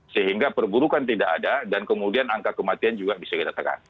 sehingga perburukan tidak ada dan kemudian angka kematian juga bisa kita tekan